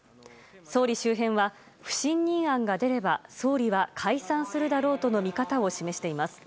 総理周辺は、不信任案が出れば総理は解散するだろうとの見方を示しています。